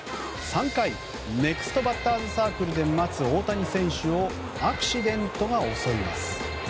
３回、ネクストバッターズサークルで待つ大谷選手をアクシデントが襲います。